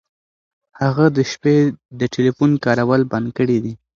هغه د شپې د ټیلیفون کارول بند کړي دي.